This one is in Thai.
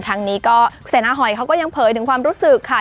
ทางนี้ก็เสนาหอยเขาก็ยังเผยถึงความรู้สึกค่ะ